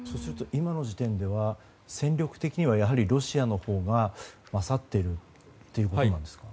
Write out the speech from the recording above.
今の時点では戦力的にはやはりロシアのほうが優っているということなんですか？